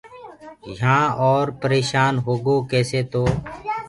يهآن اورَ پريشآن هوگو ڪيسي تو